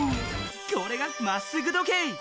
これが「まっすぐ時計」。